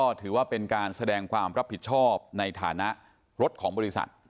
ก็ถือว่าเป็นการแสดงความรับผิดชอบในฐานะรถของบริษัท